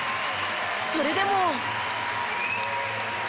それでも。